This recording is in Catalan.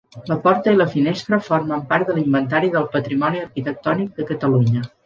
La porta i la finestra formen part de l'Inventari del Patrimoni Arquitectònic de Catalunya.